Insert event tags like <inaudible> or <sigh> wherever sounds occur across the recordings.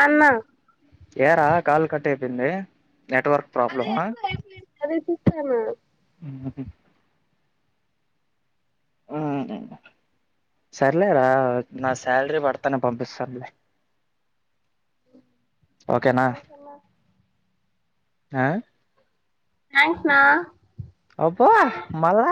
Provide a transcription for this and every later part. అన్నా ఏ రా కాలు కట్ అయిపోయింది నెట్వర్క్ ప్రాబ్లమ్ ఆ అదే చూస్తాన్న మ్ హు మ్... సర్లే రా నా శాలరీ పడతె నే పంపిస్తానులే ఓకే నా ఆ... థ్యాంక్స్నా అబ్బో మళ్ళ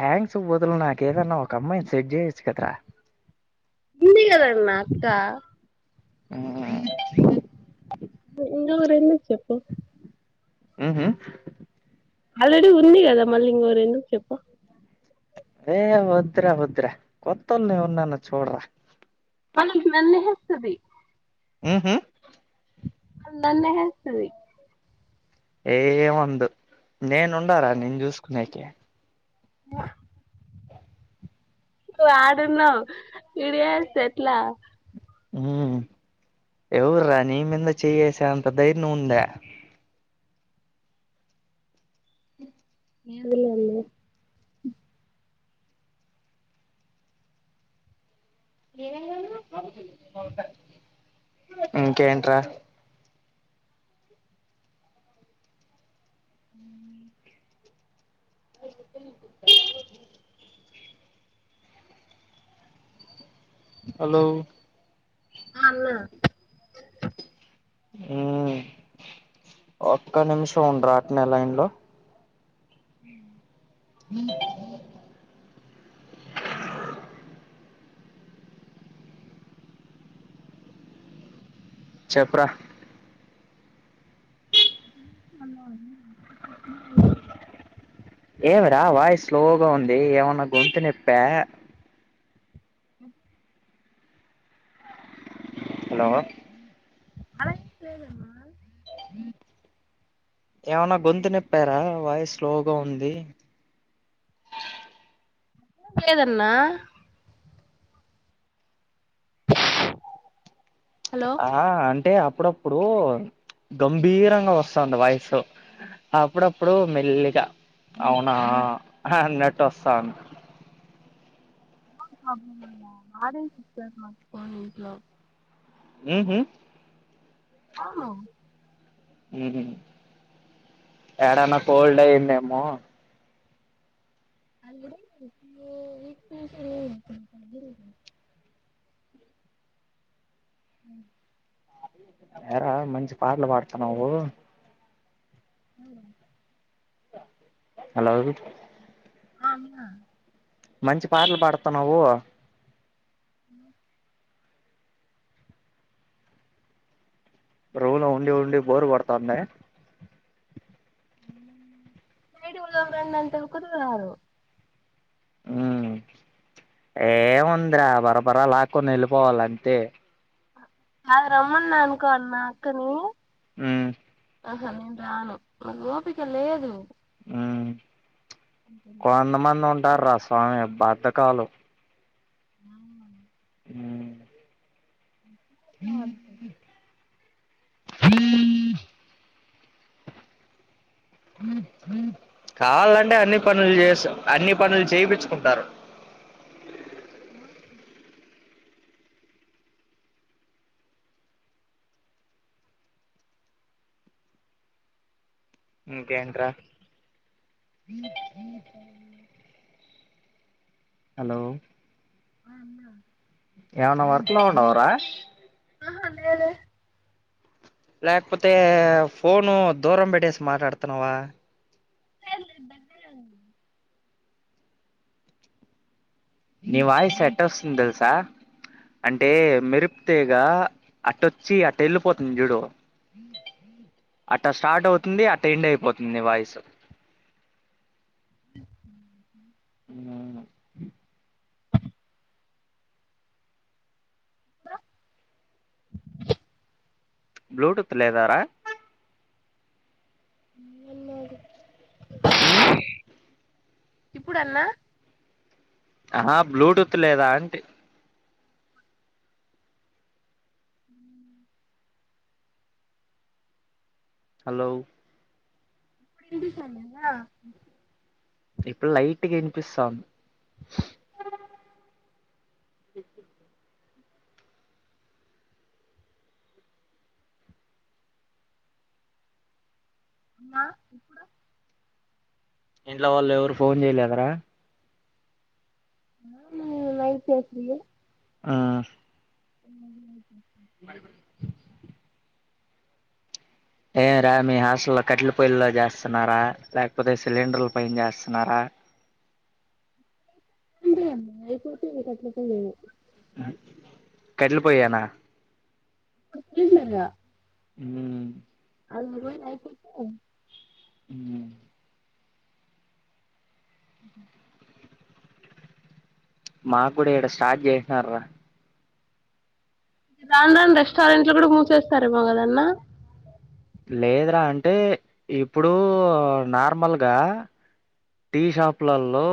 థ్యాంక్స్ బొదులు నాకెదైన ఒక అమ్మాయి ని సెట్ చేయొచ్చు కదరా ఉంది గదా నాకా మ్ ఎకావరంద వచ్చ అప్ప <unintelligible> మ్ హు ఆల్రెడీ ఉంది కదా మళ్ళీ ఇంకొకరు ఎందుకు చెప్పు ఏయ వొద్ర వొద్ర కొత్తల్ని ఎవరన్నన్న చూడరా నన్నహస్తది <unintelligible> మ్.. హుమ్మ్ అ నన్నే హెహెస్తది ఏ... మందు నేనుండారా నిను చూసుకునేకి ఆ <unintelligible> నువు ఆడున్నావు ఇంటి చేస్తెఎట్లా మ్... ఎవర్రా నీమింద చేయ్యెసె అంత ధైర్యం ఉందా ఏదో లె <unintelligible> అళ ఇంకేంట్రా మ్.. అ <unintelligible> హలో ఆ... ఆ.. మ్ ఒక్క నిమిషం ఉండరా అట్నె లైన్లో హ <unintelligible> ఉ చప్ర అ <unintelligible> ఏమిరా వాయిస్ లోగా ఉంది ఏమన్నా గొంతు నొప్పా అ <unintelligible> హలో అలాలేదుమ్మా <unintelligible> హ <inaudible> ఏమన్నా గొంతు నొప్పారా వాయసు స్లోగా ఉంది అ లేదన్నా హలో ఆ అంత టే అప్పుడప్పుడు గంభీరంగా వస్తుంది వాయిసు అప్పుడప్పుడు మెల్లిగా అవునా అన్నట్టు వస్తాంది ఎ ప్రాబ్ నాడేకో వీట్లో <unintelligible> ఉ.... హుమ్ ఆ.,.. ఆ మ్ హు ఎడనా కోల్డ్ అయ్యందేమో అ అ ఎరా మంచి పాటలు పాడుతున్నవు అ హలో ఆ అమ్మ మంచి పాటలు పాడుతున్నా్ అ ప్రోలో ఉండి ఉండి బోరు కొడుతాందా అంతకుదారు ఉమ్ ఏముందిరా బరబరా లాక్కుని వెళ్ళిపోవాలంతే అ రమ్మన్నా అనుకో అన్న అక్కని ఉమ్ ఆహా నేను రాను నాకు వోపిక లేదు అంటుంది. కొంత మందున్ టార్రా స్వామి బద్దకాలు హమ్ ఉమ్ <inaudible> హ <inaudible> కావాలంటే అన్ని పనులు చేస్త అన్ని పనులు చేయించుకుంటారు అ <inaudible> ఇకేంటీరా చెప్పలి నువ్వే హలో అ అన్నా ఏవన్నా వర్కలో ఉన్నావరా ఆహ లేదే లేకపోతే ఫోను దూరం పెట్టేసి మాట్లాడుతున్నావా లేదు లేదు దగ్గరనే ఉన్నాను ని వాయిస్ ఎట్టువస్తుందో తెలుసా అంటే మెరుపు తీగ గా అట్టొచ్చి అట్ట వెళ్ళిపోతుంది జూడు అట్ట స్టార్ట్ అవుతుంది అట్ట ఎండ్ అయిపోతుంది ని వాయిసు ఆ <inaudible> బ్లూటూత్ లేదారా ఉన్నది హమ్ ఇప్పుడు అన్నా ఆహ బ్లూటూత్ లేదా అంటీ హలో వినిపిస్తాంది. ఇప్పుడు లైట్ గా వినిపిస్తా స్తంది అ ఇప్పుడు ఇంట్లో వాళ్ళు ఎవరు ఫోన్ చేయలేదరా ఆ మై చేసింది ఆ మ్మ్ బాయ్ బాయ్ ఏం రా మీ హాస్టల్లో కట్టెల పొయ్యిల్లో చేస్తన్నారా లేకపోతే సిలిండర్ల పైన చేస్తన్నారా అంతే అమ్మా అయిపోతే ఇక కట్టెల పొయ్యేలే కట్టెల పొయ్యేనా కచ్చితంగా హ్మ్ ఆలు రోజులు అయిపోతాయి హ్మ్ మాక్కూడా ఈడ స్టార్ట్ చేసినారురా రాను రానను రెస్టారెంట్లు కూడా మూసేస్తారేమో కదన్నా లేదురా అంటే ఇప్పుడూ నార్మల్గా టీ షాపులల్లో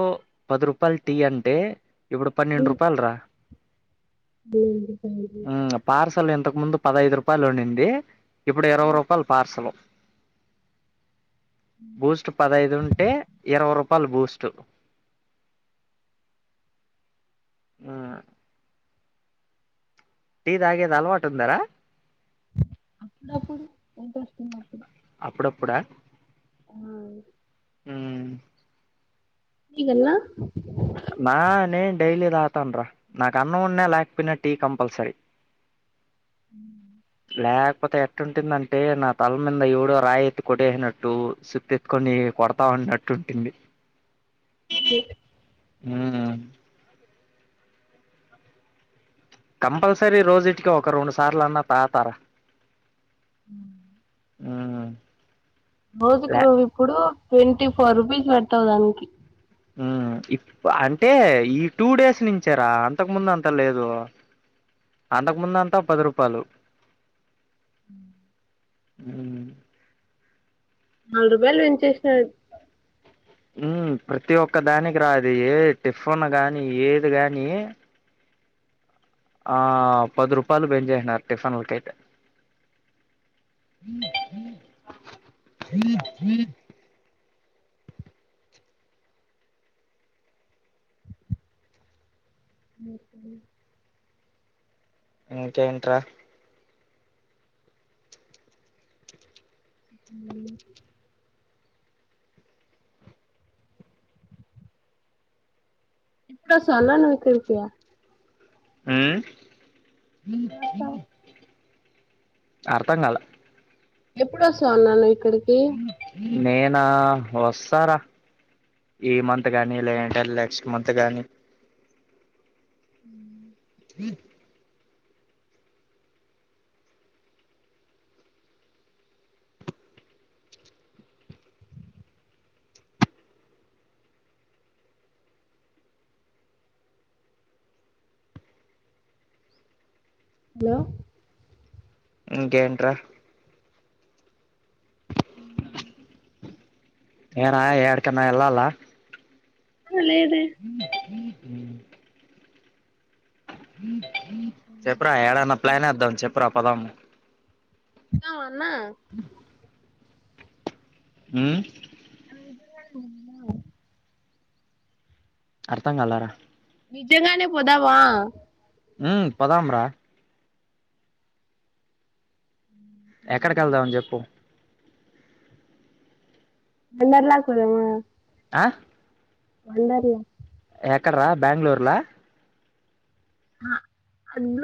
పది రూపాయల టీ అంటే ఇప్పుడు పన్నెండు రూపాయల్రా హ్మ్ పార్సల్ ఇంతకు ముందు పదైదు రూపాయలుండింది ఇప్పుడు ఇరవై రూపాయలు పార్సలు బూస్ట్ పదైదు ఉంటే రూపాయలు బూస్టు హ్మ్ టీ దాగేది అలవాటు ఉందారా అప్పుడప్పుడు వంట వస్తున్నప్పుడు అప్పుడప్పుడా ఆ హ్మ్ ఇగన్నా అన్నా నేను డైలీ దాగుతానురా నాకు అన్నం ఉన్నా లేకపోయినా టీ కంపల్సరీ లేక్ పోతే ఎట్టుంటుందంటే నా తల మీద ఎవడో రాయి ఎత్తి కొట్టేసినట్టు సుత్తి ఎత్తుకొని కొడతావున్నట్టు ఉంటుంది. హ్మ్ కంపల్సరీ రోజిటికి ఒక రెండు సార్లు అన్నా తాగతారా ఊహు రోజుకు నువ్వు ఇప్పుడు ట్వంటీ ఫోర్ రూపీస్ పెడతావు దానికి హ్మ్ ఇప్పు అంటే ఈ టూ డేస్ నుంచేరా అంతకుముందు అంత లేదు అంతకుముందు అంతా పది రూపాయలు నాలుగు రూపాయలు పెంచేసినారు హ్మ్ ప్రతి ఒక్క దానికి రా అది ఏ టిఫిన్ గానీ ఏది గానీ ఆ పది రూపాయలు బెంచేసినారు టిఫిన్లకైతే ఇంకేంట్రా ఎప్పుడొస్తవన్న నువ్వు ఇక్కడికి హ్మ్ ఎప్పుడొస్తావ్ అర్థం కాలా ఎప్పుడు వస్తావన్న నేను ఏక్కడికి నేనా వస్తారా ఈ మంత్ గాని లేదంటే నెక్స్ట్ మంత్ గాని హలో ఇంకేంట్రా హ్మ్ ఏరా ఏడ్కన్నా ఎలలా హలో లేదే హ్మ్ చెప్రా ఏడనా ప్లాన్ ఏదం చెప్ రా పదాం వస్తావా నా హ్మ్ <inaudible> అర్థం కాలరా నిజంగానే పోదామా హ్మ్ పోదాం రా ఎక్కడికి ఎల్దాం చెప్పు విన్డార్లక్ పోదామా ఆ వండర్ లా ఎక్కడరా బెంగళూర్ల హ అందులో